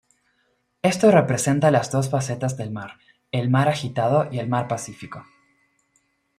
Esto representa las dos facetas del mar, el mar agitado y el mar pacífico.